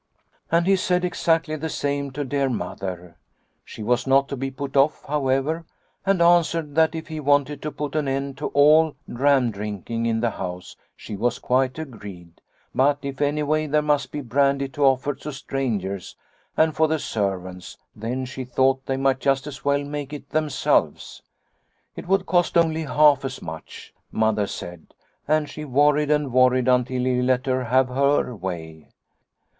And he said exactly the same to dear Mother. She was not to be put off, however, and answered that if he wanted to put an end to all dram drinking in the house she was quite agreed, but if anyway there must be brandy to offer to strangers, and for the servants, then she thought they might just as well make it themselves'. It would cost only half as much, Mother said, and she worried and worried until he let her have her way.